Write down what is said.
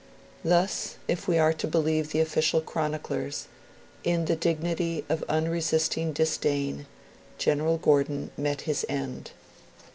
Thus, if we are to believe the official chroniclers, in the dignity of unresisting disdain, General Gordon met his end.